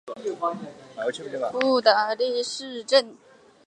布尔格瓦尔德是德国黑森州的一个市镇。